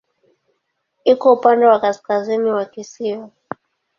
Iko upande wa kaskazini wa kisiwa.